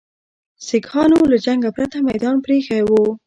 سیکهانو له جنګه پرته میدان پرې ایښی وو.